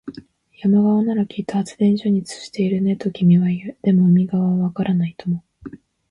山側ならきっと発電所に通じているね、と君は言う。でも、海側はわからないとも。